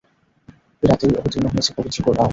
এ রাতেই অবতীর্ণ হয়েছে পবিত্র কোরআন।